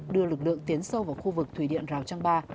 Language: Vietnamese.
đưa lực lượng tiến sâu vào khu vực thủy điện rào trang ba